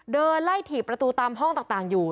เดินไล่ถี่ประตูตามห้องต่างอยู่